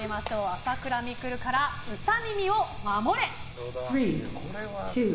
朝倉未来からウサ耳を守れ！